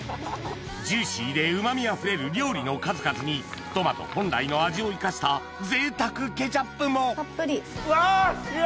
ジューシーでうま味あふれる料理の数々にトマト本来の味を生かしたぜいたくケチャップもたっぷり。